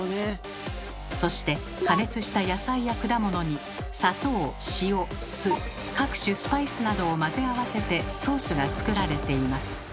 そして加熱した野菜や果物に砂糖・塩・酢・各種スパイスなどを混ぜ合わせてソースが作られています。